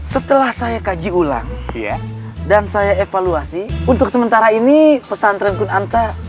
setelah saya kaji ulang dan saya evaluasi untuk sementara ini pesantren kunanta